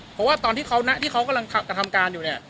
เพราะว่าตอนที่เขากำลังกระทำการอยู่เนี่ย